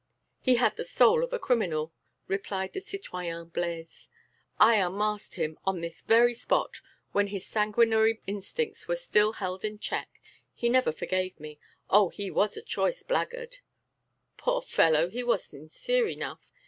"He had the soul of a criminal!" replied the citoyen Blaise. "I unmasked him, on this very spot, when his sanguinary instincts were still held in check. He never forgave me.... Oh! he was a choice blackguard." "Poor fellow! he was sincere enough.